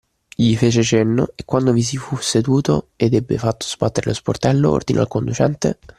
Gli fece cenno e, quando vi si fu seduto ed ebbe fatto sbattere lo sportello, ordinò al conducente.